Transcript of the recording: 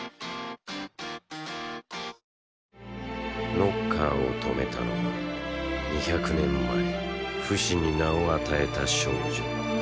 ノッカーを止めたのは２００年前フシに名を与えた少女。